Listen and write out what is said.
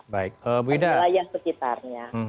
dan wilayah sekitarnya